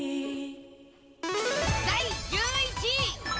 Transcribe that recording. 第１１位。